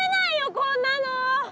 こんなの。